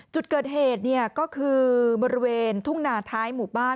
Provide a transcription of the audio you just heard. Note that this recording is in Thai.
จุดเกิดเหตุก็คือบริเวณทุ่งนาท้ายหมู่บ้าน